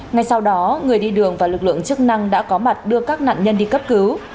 ngay sau đó người đi đường và lực lượng chức năng đã có mặt đưa các nạn nhân đi cấp cứu